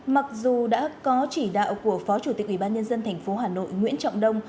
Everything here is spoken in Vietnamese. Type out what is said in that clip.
mặc dù đã có chỉ đạo của phó chủ tịch ubnd tp hà nội nguyễn trọng đông